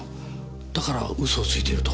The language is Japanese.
だから嘘をついていると。